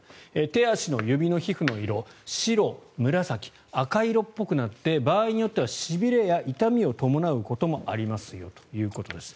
手足の指の皮膚の色白、紫、赤色っぽくなって場合によってはしびれや痛みを伴うことがありますということです。